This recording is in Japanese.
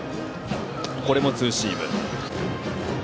これもツーシーム。